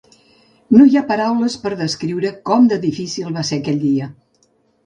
No hi ha paraules per descriure com de difícil va ser aquell dia.